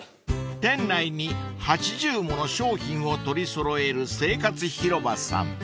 ［店内に８０もの商品を取り揃える生活広場さん］